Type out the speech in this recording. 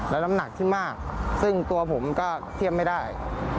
และน้ำหนักที่มากซึ่งตัวผมก็เทียบไม่ได้